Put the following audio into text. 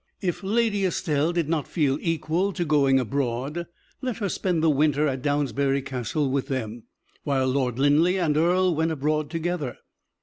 If Lady Estelle did not feel equal to going abroad, let her spend the winter at Downsbury Castle with them, while Lord Linleigh and Earle went abroad together.